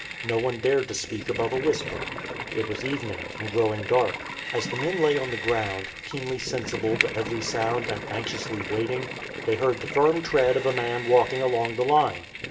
No one dared to speak above a whisper. It was evening, and growing dark. As the men lay on the ground, keenly sensible to every sound, and anxiously waiting, they heard the firm tread of a man walking along the line.